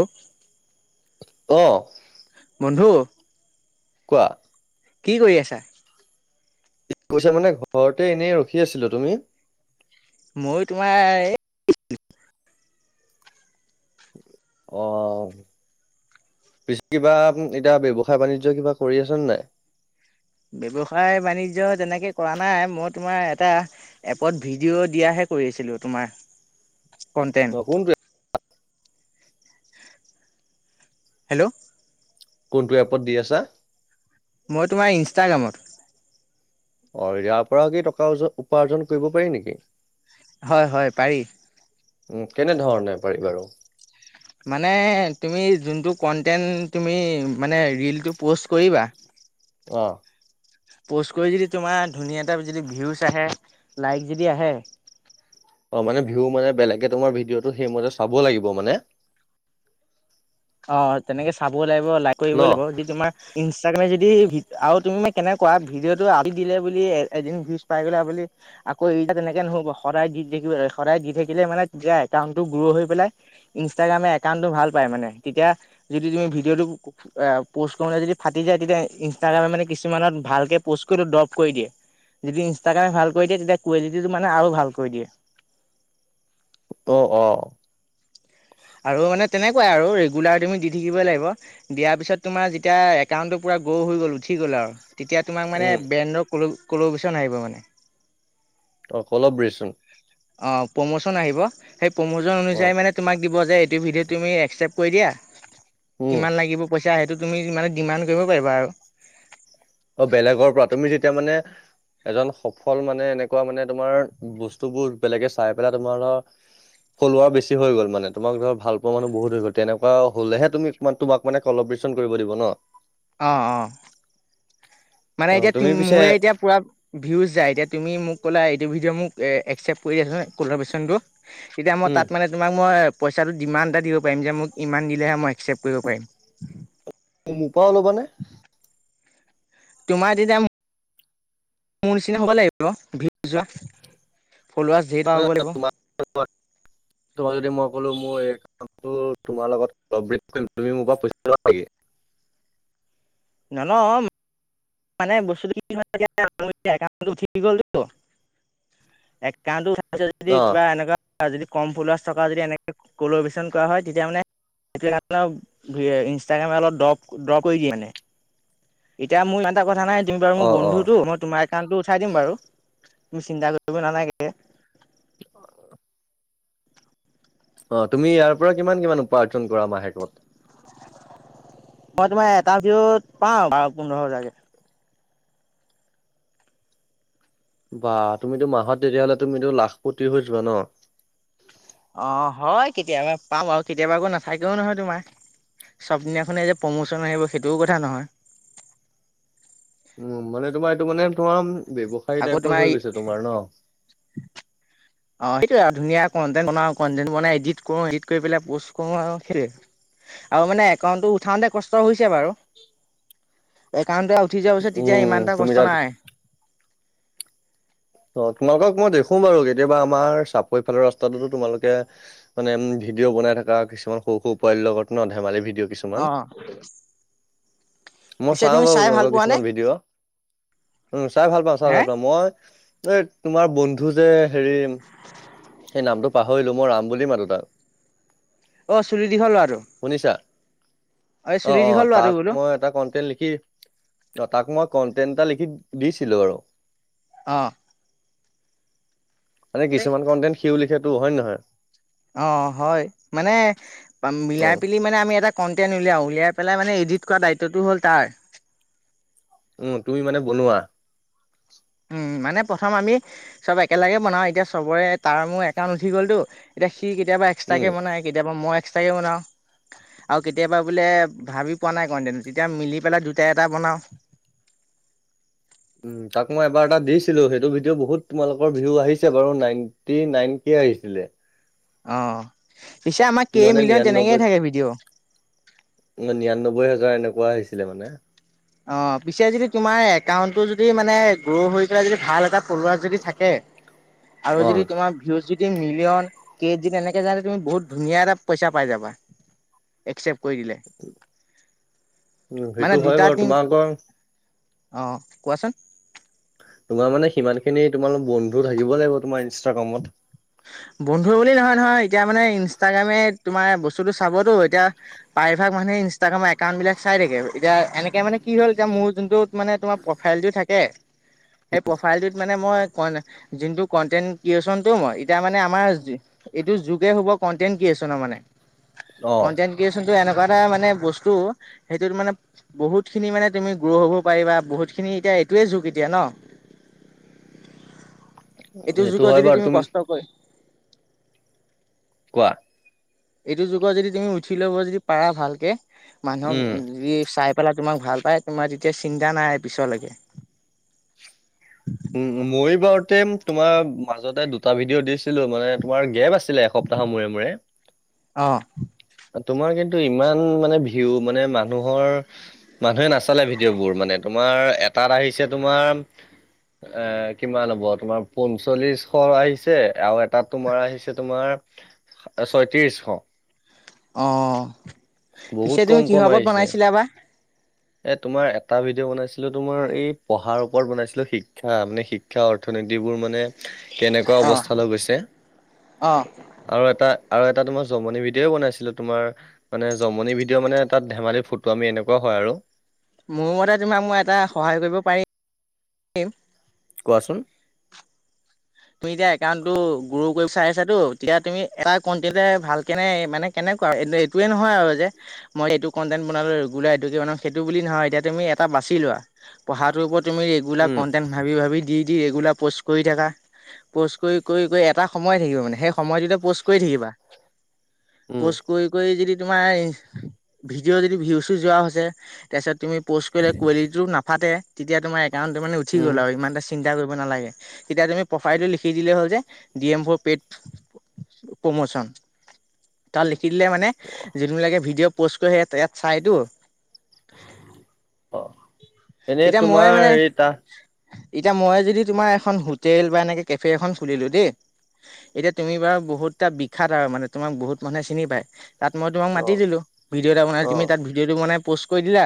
উম', অহ', বন্ধু? কোৱা? কি কৰি আছা? কি কৈছা মানে ঘৰতে এনেই ৰখি আছিলোঁ, তুমি? মইও তোমাৰ এই', অ', পিছে কিবা এতিয়া ব্যৱসায় বাণিজ্য কিবা কৰি আছে নে নাই? ব্যৱসায় বাণিজ্য তেনেকে কৰা নাই, মই তোমাৰ এটা', এপত ভিডিঅ' দিয়াহে কৰি ছিলো তোমাৰ, অ', কণ্টেণ্ট', কোনটো হেল্ল', কোনটো এপত দি আছা? মই তোমাৰ ইনষ্টাগ্ৰামত', অ', ইয়াৰ পৰাও কি টকা ওজ - উপাৰ্জন কৰিব পাৰি নেকি? হয়', - হয়', পাৰি', উম', কেনে ধৰণে পাৰি বাৰু? মানে তুমি যোনটো কণ্টেণ্ট তুমি মানে ৰীলটো পোষ্ট কৰিবা', অ', পোষ্ট কৰি যদি তোমাৰ ধুনীয়া এটা যদি ভিউচ আহে, লাইক যদি আহে', অ', মানে ভিউ মানে বেলেগে তোমাৰ ভিডিঅ'টো সেই মতে চাব লাগিব মানে? অ', তেনেকে চাবও লাগিব লাইক ন কৰিবই লাগিব যে তোমাৰ', ইনষ্টাগ্ৰামে যদি ভিডি আৰু তুমি মান কেনেকে কৰা ভিডিঅ'টো আজি দিলে বুলি এ', - এদিন ভিউজ পাই গ'লা বুলি', আকৌ এতিয়া তেনেকে নহ'ব সদায় দি থাকিব লাগে সদায় দি থাকিলে মানে যাই একাউণ্টটো গ্ৰো হৈ পেলাই', ইনষ্টাগ্ৰামে একাউণ্টটো ভাল পায় মানে তেতিয়া, যদি তুমি ভিডিঅ'টো ক', -ক', এই পোষ্ট কৰোতে যদি ফাটি যায় তেতিয়া ইনষ্টাগ্ৰামে মানে কিছুমানত ভালকে পোষ্ট কৰিলেও ড্ৰপ কৰি দিয়ে', যদি ইনষ্টাগ্ৰামে ভাল কৰি দিয়ে, তেতিয়া কুৱেলিটিটো মানে আৰু ভাল কৰি দিয়ে', অ', - অহ', আৰু মানে তেনেকুৱাই আৰু ৰেগুলাৰ তুমি দি', -দি', থাকিব লাগিব', দিয়াৰ পিছত তোমাৰ যেতিয়া একাউণ্টটো পুৰা গ্ৰো' হৈ গ'ল উঠি গ'ল আৰু', তেতিয়া তোমাক মানে উম, ব্ৰেণ্ডৰ ক'ল'- কলবেচন আহিব মানে', অ', কলাব্ৰেচন', অ', প্ৰমোচন আহিব, সেই প্ৰমোচন অ', অনুযায়ী মানে', তোমাক দিব যে এইটো ভিডিঅ' তুমি একচেপ্ট কৰি দিয়া, উম। কিমান লাগিব পইছা সেইটো', তুমি মানে ডিমাণ্ড কৰিব পাৰিবা আৰু', অ', বেলেগৰ পৰা তুমি যেতিয়া মানে', এজন সফল মানে এনেকুৱা মানে তোমাৰ, বস্তুবোৰ বেলেগে চাই পেলাই তোমাৰ ধৰ', ফ'ল'ৱাৰ বেছি হৈ গ'ল মানে তোমাক ধৰ ভাল পোৱা মানুহ বহুত হৈ গ'ল তেনেকোৱা হ'লে হে তুমি', তোমাক মানে কলাব্ৰেচন কৰিব দিব ন? অ', - অহ', মানে অ এতিয়া তু', তুমি পিছে মোৰে এতিয়া পুৰা', ভিউজ যাই, এতিয়া তুমি মোক ক'লা এইটো ভিডিঅ' মোক একচেপ্ট কৰি দিয়াচোন কলাব্ৰেচনটো', এতিয়া মই উম তাত মানে', তোমাক মই পইচাটো ডিমাণ্ড এটা দিব পাৰিম যে মোক ইমান দিলেহে মই একচেপ্ট কৰিব পাৰিম', মোৰ পৰাও লবা নে? তোমাৰ যি দাম', মোৰ নিচিনা হ'ব লাগিব, ভিউজ যোৱা ফলোৱাৰছ ধেৰ পাব লাগিব। তোমাৰ যদি মই ক'লো মোৰ এই- তোমাৰ লগত কলাব্ৰেত কৰিম, তুমি মোৰ পৰা পইচা লোৱা নেকি? নলওঁ। মানে বস্তুটো কি হয় এতিয়া তুমি একাউণ্টটো উঠি গল টো- কাৰণ যদি অ কিবা এনেকুৱা যদি কম ফলোৱাৰ্জ থকা যদি এনে কলাব্ৰেচন কৰা হয় তেতিয়া মানে- সেইটো কাৰণে ইনষ্টাগ্ৰামে অলপ ড্ৰপ ড্ৰ কৰি দিয়ে মানে। এতিয়া মোৰ ইমান এটা কথা নাই তুমি মোৰ অ অ বন্ধুটো, মই তোমাৰ- একাউণ্টটো উঠাই দিম বাৰু, তুমি চিন্তা কৰিব নালাগে। [unintelligible] অ তুমি ইয়াৰ পৰা কিমান কিমান উপাৰ্জন কৰা মাহেকত? মই তোমাৰ এটা ভিউত পাওঁ বাৰ পোন্ধৰ হেজাৰকে। বা! তুমিতো মাহত তেতিয়াহ'লে তুমিতো লাখ পতি হৈ যোৱা ন। অ হয় কেতিয়াবা পাম আৰু কেতিয়াবা আকো নাথাকেও নহয় তোমাৰ। চবদিনাখনে যে প্ৰম'চন আহিব সেইটোও কথা নহয়। উম মানে তোমাৰ এইটো মানে তোমাৰ ব্যৱসায়ী আকৌ টাইপত তোমাৰ হৈ গৈছে তোমাৰ ন। অ সেইটোয়ে আৰু ধুনীয়া কণ্টেন্ট বনাও, কণ্টেন্ট বনাই এডিট কৰো এডিট কৰি পেলাই পষ্ট কৰো আৰু সেইটোয়ে। আৰু মানে একাউণ্টটো উঠাওতে কষ্ট কষ্ট হৈছে বাৰু, একাউণ্ট উঠি যোৱাৰ পিছত তেতিয়া উম ইমান এটা তুমি তাত কষ্ট নাই। অ তোমালোকক মই দেখো বাৰু কেতিয়াবা আমাৰ চাপৰি ফালেৰ ৰাস্তাটোতো তোমালোকে মানে ভিডিঅ' বনাই থকা কিছুমান সৰু সৰু পোৱালি লগত ন ধেমালি ভিডিঅ' অ কিছুমান। মই পিছে চাওঁ তুমি বাৰু চাই ভাল তোমালোকৰ পোৱা নে কিছুমান ভিডিঅ' উম চাই ভাল পাওঁ চাই হে ভাল পাওঁ মই এই তোমাৰ বন্ধু যে হেৰি- সেই নামটো পাহৰিলো মই ৰাম বুলি মাতো তাক। অ চুলি দীঘল লৰাটো। শুনিছা এই অ চুলি অ দীঘল ল'ৰাটো তাক বোলো মই এটা কণ্টেণ্ট লিখি অ তাক মই কণ্টেণ্ট এটা লিখি দিছিলো আৰু। অ মানে কিছুমান কণ্টেন্ সিও লিখে টো হয় নে নহয়। অ হয়, মানে অ মিলাই পেলি আমি এটা- কণ্টেণ্ট উলিয়াও, উলিয়াই পেলাই মানে ইডিত কৰা দায়িত্বটো হ'ল তাৰ। উম, তুমি মানে বনোৱা। উম মানে প্ৰথম আমি। চব একেলগে বনাওঁ এতিয়া চবৰে তাৰ মোৰ একাউণ্ট উঠি গ'লতো, এতিয়া সি কেতিয়াবা উম এক্সট্ৰাকে বনাই কেতিয়াবা মই এক্সট্ৰাকে বনাওঁ। আৰু কেতিয়াবা বোলে ভাবি পোৱা নাই কন্তেন তেতিয়া মিলি পেলাই দুটাই এটা বনাও। উম, তাক মই এবাৰ এটা দিছিলো সেইটো ভিডিঅ' বহুত তোমালোকৰ ভিউ আহিছে বাৰু নাইনটি নাইন কে আহিছিলে। অ পিছে আমাৰ কেই মানে মিভলিয়ন নিৰান্নব্বৈ তেনেকেইে থাকে ভিডিঅ' নিৰান্নব্বৈ হাজাৰ এনেকুৱা আহিছিলে মানে। অ পিছে যদি তোমাৰ একাউণ্টটো যদি মানে গ্ৰ' হৈ যোৱা যদি ভাল এটা ফলোৱাৰ যদি থাকে। আৰু যদি অ'। তোমাৰ- লজেদিগ মিলিয়ন কে যদি তেনেকে যাই তুমি বহুত ধুনীয়া এটা পইচা পাই যাবা। এক্সেপ কৰি দিলে, উম, সেইটো মানে হয় দুটা বাৰু তিন- তোমালোকৰ অঁ কোৱাচোন? তোমাৰ মানে সিমান খিনি তোমাৰ বন্ধু থাকিব লাগিব তোমাৰ ইনষ্টাগ্ৰামত। বন্ধু বুলি নহয় নহয় এতিয়া মানে ইনষ্টাগ্ৰামে তোমাৰ বস্তুটো চাবতো এতিয়া- প্ৰায়ভাগ মানুহে ইনষ্টাগ্ৰামৰ একাউণ্ট বিলাক চাই থাকে এতিয়া এনেকে মানে কি হ'ল মোৰো যোনটো- মানে তোমাৰ প্ৰফাইলটো থাকে। সেই প্ৰফাইলটোত মানে মই ক যোনটো কন্টেন্ট ক্ৰিয়েচনটো মই- এতিয়া মানে আমাৰ এইটো যুগে হ'ব কণ্টেণ ক্ৰিয়েচনৰ মানে অ', কণ্টেণ কেয়েচনটো এনেকুৱা এটা মানে বস্তু সেইটোত মানে বহুত খিনি মানে তুমি গ্ৰু হব পাৰিবা বহুত খিনি এতিয়া এইটোয়ে যুগ এতিয়া ন এইটো সেইটো যুগত হয় যদি বাৰু তুমি কষ্ট কৈ কোৱা এইটো যুগত যদি তুমি উঠি লব যদি পাৰা ভালকে মানুহক উম। যদি চাই পেলাই তোমাক ভাল পায় তোমাৰ তেতিয়া চিন্তা নাই পিছ লৈকে উম উম মই বাওতেম তোমাৰ মাজতে দুটা ভিডিঅ' দিছিলো মানে তোমাৰ গেপ আছিলে এসপ তাহৰ মূৰে মূৰে অ তোমাৰ কিন্তু ইমান মানে ভিউ মানে মানুহৰ মানুহে নাচালে ভিডিঅ'বোৰ মানে তোমাৰ এটাত আহিছে তোমাৰ এ কিমান হ'ব তোমাৰ পঞ্চল্লিশশ আহিছে আও এটাত তোমাৰ আহিছে তোমাৰ ছয়ত্ৰিশশ অ বহুত পিছে তুমি কম কম কিহৰ ওপৰত আহিছে। বনাইছিলা বা এ তোমাৰ এটা ভিডিঅ বনাইছিলো তোমাৰ এই পঢ়াৰ ওপৰত বনাইছিলো শিক্ষা মানে শি ক্ষা অৰ্থনীতিবোৰ মানে কেনেকুৱা অৱস্থালৈ গৈছে আৰু এটা আৰু এটা তোমাৰ জমনি ভিডিঅ' বনাইছিলো তোমাৰ মানে জমনি ভিডিঅ' মানে তাত ধেমালি ফটো আমি এনেকুৱা হয় আৰু মোৰ মতে তোমাক মই এটা সহায় কৰিব পাৰিম কোৱাচোন তুমি এতিয়া একাউণ্টো গ্ৰ কৰিব চাই আছাতো তেতিয়া তুমি এটা কন্টেন্ট ভাল কেনে মানে কেনেকুৱা আৰু এই এইটোৱে নহয় আৰু যে মই এইটো কণ্টেন্ট বনালো ৰেগুলাৰ এইটো বনাম সেইটো বুলি নহয় এতিয়া তুমি এটা বাচি লোৱা পঢ়াটোৰ ওপৰত তুমি ৰেগুলাৰ উম কণ্টেন্ট ভাবি ভাবি দি দি ৰেগুলাৰ পষ্ট কৰি থাকা প'ষ্ট কৰি কৰি কৰি এটা সময়ে থাকিব মানে সেই সময়টোতে প'ষ্ট কৰি থাকিবা। উম পোষ্ট কৰি কৰি যদি। তোমাৰ ভিডিঅ' যদি ভিউছো যোৱা হৈছে তাৰপিছত তুমি। প'ষ্ট কৰিলে কোৱালিটিটো নাফাটে তেতিয়া তোমাৰ একাউণ্টো মানে উঠি উম গ'ল আৰু ইমান এটা চিন্তা কৰিব নালাগে তেতিয়া তুমি প্ৰফাইলটো লিখি দিলেই হ'ল যে D M for paid promotion তাত লিখি দিলে মানে যোনবিলাকে ভিডিঅ' প'ষ্ট কৰে ইয়াত চাইতো অ এনেই এতিয়া মই তোমাৰ মানে হেৰি তা এতিয়া মই যদি তোমাৰ এখন হোটেল বা এনেকে কেফে এখন খুলিলো দেই এতিয়া তুমি বাৰু বহুতটা বিখ্যাত আৰু মানে তোমাক বহুত মানুহে চিনি পায় তাত মই তোমাক অ মাতি দিলো ভিডিঅ' এটা বনাই অ তুমি তাত ভিডিঅ'টো বনাই প'ষ্ট কৰি দিলা।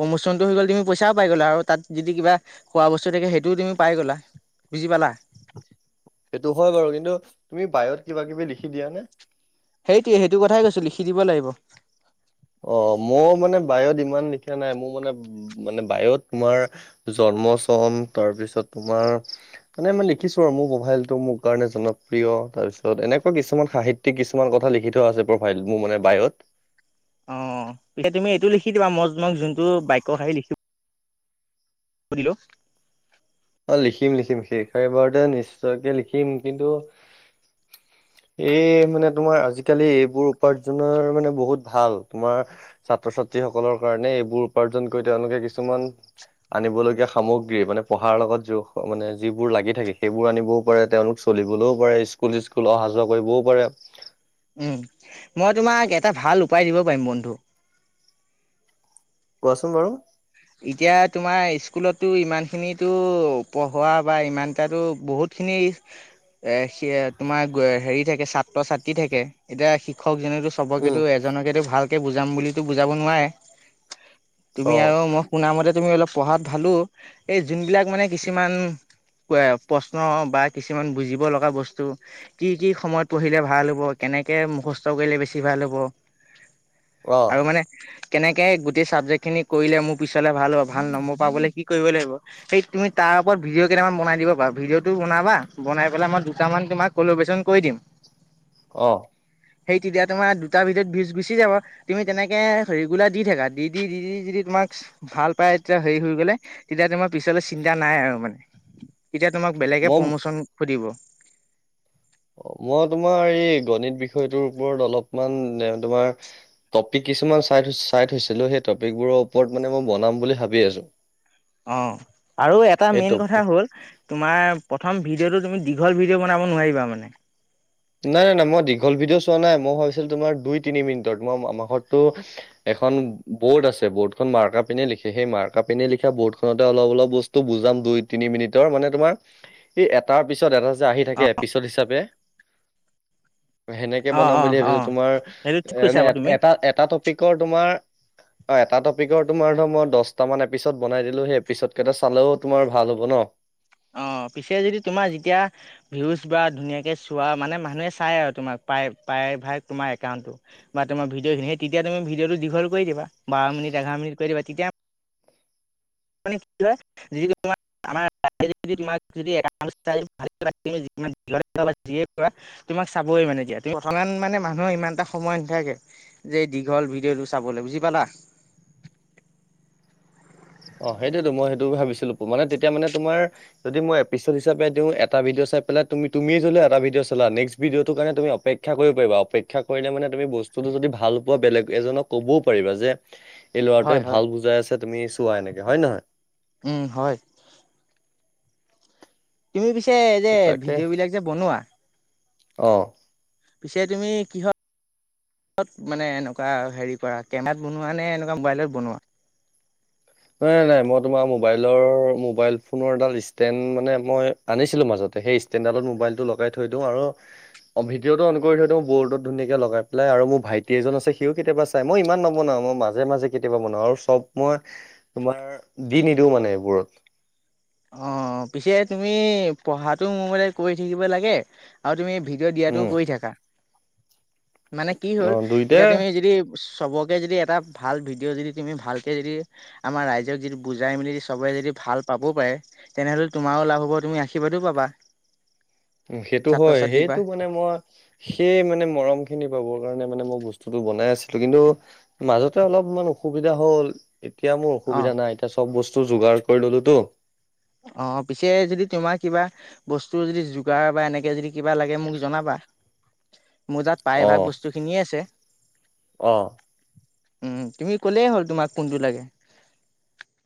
প্ৰমোচনটো হৈ গ'ল তুমি পইচাও পাই গ'লা আৰু তাত যদি কিবা খোৱা বস্তু থাকে সেইটোও তুমি পাই গ'লা। বুজি পালা। সেইটো হয় বাৰু কিন্তু তুমি বায়ত কিবা কিবি লিখি দিয়া নে। সেইটোৱে সেইটো কথাই কৈছোঁ লিখি দিব লাগিব। অ মোৰ মানে বায়ত ইমান নিখা নাই মোৰ মানে। মানে বায়ত তোমাৰ জন্ম চন তাৰপিছত তোমাৰ। মানে মই লিখিছো আৰু মোৰ পফাইলটো মোৰ কাৰণে জনপ্ৰিয় তাৰপিছত এনেকুৱা কিছুমান সাহি ত্যিক কিছুমান কথা লিখি থোৱা আছে প্ৰফাইল মোৰ মানে বায়ত। অ এতিয়া তুমি এইটো লিখি দিবা মই যোনটো বাক্য শাৰী লিখিব। দিলো। অ লিখিম লিখিম শেষাৰিবাৰতে নিশ্চয়কে লিখিম কিন্তু। [unintelligible] এই মানে তোমাৰ আজিকালি এইবোৰ উপাৰ্জনৰ মানে বহুত ভাল তোমাৰ। ছাত্ৰ- ছাত্ৰীসকলৰ কাৰণে এইবোৰ উপাৰ্জন কৰি তেওঁলোকে কিছুমান। আনিবলগীয়া সামগ্ৰী মানে পঢ ঢ়াৰ লগত য মানে যিবোৰ লাগি থাকে, সেইবোৰ আনিবও পাৰে তেওঁলোক চলিবলৈও পাৰে স্কুল - স্কুল অহা যোৱা কৰিবও পাৰে উম, মই তোমাক এটা ভাল উপায় দিব পাৰিম বন্ধু কোৱাচোন বাৰু? এতিয়া তোমাৰ স্কুলতো ইমানখিনিতো পঢ়োৱা বা ইমানটাতো বহুত খিনি এ, সিয়া তোমাৰ হেৰি থাকে ছাত্ৰ- ছাত্ৰী থাকে এতিয়া শিক্ষকজনেটো উম চবকেতো এজনকেতো ভালকে বুজাম বুলিতো বুজাব নোৱাৰে, তুমি অ আৰু মই শুনা মতে তুমি অলপ পঢ়াত ভালোঁ, এই যোনবিলাক মানে কিছুমান প্ৰশ্ন বা, কিছুমান বুজিব লগা বস্তু কি- কি সময়ত পঢ়িলে ভাল হ'ব? কেনেকে মুখস্থ কৰিলে বেছি ভাল হ'ব? অ আৰু মানে কেনেকে গোটেই চাবজেক্ট খিনি কৰিলে মোক পিছলে ভাল হ'ব, ভাল নম্বৰ পাবলে কি কৰিবই লাগিব? সেই তুমি তাৰ ওপৰত ভিডিঅ কেইটামান বনাই দিব পাৰা, ভিডিঅ টো বনাবা, বনাই পেলাই মই দুটামান তোমাক ফ'ল'বেশ্যন কৰি দিম। অঁ। সেই তেতিয়া তোমাৰ দুটা ভিদিঅত বিশ গুচি যাব তুমি তেনেকে ৰেগুলাৰ দি থাকা দি দি, দি দি যদি তোমাৰ ভাল পাই এতিয়া হেৰি হৈ গলে, তেতিয়া তোমাৰ পিছলে চিন্তা নাই আৰু মানে তেতিয়া তোমাক বেলেগে মই প্ৰমোচন সুধিব। অ' মই তোমাৰ এই গণিত বিষয়টোৰ ওপৰত অলপমান ডেন তোমাৰ টপিক কিছুমান চাই চাই থৈছিলো, সেই টপিকবোৰৰ ওপৰত মানে মই বনাম বুলি ভাবি আছো অ' আৰু এটা সেই মেইন টপ কথা হ'ল তোমাৰ প্ৰথম ভিডঅ'টো তুমি দীঘল ভিডিঅ' বনাব নোৱাৰিবা মানে নাই নাই নাই মই দীঘল ভিডিঅ' চোৱা নাই মই ভাবিছিলো তোমাৰ দুই তিনি মিনিটত মই আমাঘৰতটো এখন বৰ্ড আছে বৰ্ডখন মাৰ্কা পেনে লিখে সেই মাৰ্কা পেনে লিখা বৰ্ড খনতে অলপ অলপ বচ টো বুজাম দুই তিনি মিনিটৰ মানে তোমাৰ এই এটাৰ পিছত এটা যে আহি থাকে অঁ এপিছদ হিচাপে সেনেকে অঁ বনাম অঁ বুলি ভাবিছো, অঁ তোমাৰ সেইটো ঠিক কৈছা এনে বাৰু তুমি এটা এটা টপিকৰ তোমাৰ অ' এটা টপিকৰ তোমাৰ ধৰ মই দশটামান এপিচড বনাই দিলো সেই এপিচড কেইটা চালেও তোমাৰ ভাল হব ন? অ' পিছে যদি তোমাৰ যেতিয়া ভিউজ বা ধুনীয়াকে চোৱা মানে মানুহে চাই আৰু তোমাক প্ৰায় - প্ৰায় ভাগ তোমাৰ একাউণ্টটো বা, তোমাৰ ভিঅ' খিনি স তেতিয়া তুমি ভিডিঅটো দীঘল কৰি দিবা, বাৰ মিনিট এঘাৰমিনিট কৰি দিবা তিতিয়া মানে কি হয় যিটো তোমাৰ আমাৰ [unintelligible] যি যে কৰা। তোমাক চাবই মানে তেতিয়া, বৰ্তমান মানে মানুহৰ ইমান এটা সময় নাথাকে যে দীঘল ভিডিঅ'টো চাবলে, বুজি পালা? অঁহ সেইটোৱেতো মই সেইটো ভাবিছিলো, মানে তেতিয়া মানে তোমাৰ যদি মই এপিছড হিচাপে দিওঁ এটা ভিডঅ' চাই পেলাই তুমি তুমি ধৰি লোৱা এটা ভিডিঅ' চালা নেস্ক ভিডিঅটোৰ কাৰণে তুমি অপেক্ষা ক্ষা কৰিব পাৰিবা, অপেক্ষা কৰিলে মানে তুমি বস্তুটো যদি ভাল পোৱা বেলেগ এজনক কবও পাৰিবা যে- এই হয় ল'ৰাটোৱে হয় ভাল বুজাই আছে তুমি চোৱা এনেকে হয় নহয়? উম হয়। তুমি পিছে এযে ভিডিঅ'বিলাক যে বনোৱা অঁ। পিছে তুমি কিহত হত মানে এনকা হেৰি কৰা কেমেৰাত বনোৱা নে এনেকা মোবাইলত বনোৱা? নাই নাই মই তোমাৰ মোবাইলৰ মোবাইল ফোনৰ এডাল ষ্টেণ্ড মানে মই আনিছিলো মাজতে সেই ষ্টেনডালত মোবাইলটো লগাই থৈ দিওঁ আৰু অ ভিডিঅ'টো অন কৰি থৈ দিঁও বৰ্ডত ধুনীয়াকে লগাই পেলাই আৰু মোৰ ভাইটি এজন আছে সিও কেতিয়াবা চাই মই ইমান নবনাও মই মাজে মাজে কেতিয়াবা বনাও আৰু চব মই তোমাৰ দি নিদিও মানে এইবোৰত। অঁ অঁ পিছে তুমি পঢ়াটো মোৰ মতে কৰি থাকিব লাগে, আৰু তুমি- ভিডিঅ' দিয়াটো উম কৰি থাকা মানে কি অ হ'ল এতিয়া দুইটাই তুমি যদি- চবকে যদি এটা ভাল ভিডিঅ' যিদি তুমি ভালকে যিদি- আমাৰ ৰাইজক যদি বুজাই মেলি চবে যদি ভাল পাবও পাৰে। তেনেহ'লে তোমাৰো লাভ হ'ব তুমি আশীৰ্বাদো পাবা। উম, সেইটো ছাত্ৰ হয় ছাত্ৰীৰ পৰা। সেইটো মানে মই- সেই মানে মৰম খিনি পাবৰ কাৰণে মানে মই বস্তুটো বনাই আছিলো, কিন্তু- মাজতে অলপমান অসুবিধা হ'ল। এতিয়া মোৰ অ' অসুবিধা নাই এতিয়া চব বস্তু যোগাৰ কৰি ললোতো। অঁ পিছে যদি তোমাৰ কিবা- বস্তু যদি যোগাৰ বা এনেকে যদি কিবা লাগে মোক জনাবা। মোৰ তাত প্ৰায়ভাগ বস্তুখিনিয়ে আছে। অঁ। উম, তুমি ক'লেই হ'ল তোমাক কোনটো লাগে।